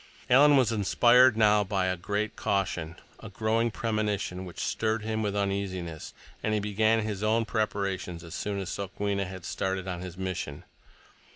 Alan was inspired now by a great caution, a growing premonition which stirred him with uneasiness, and he began his own preparations as soon as Sokwenna had started on his mission.